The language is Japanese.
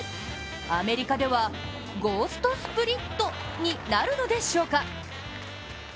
アメリカではゴーストスプリット？になるのでしょうか。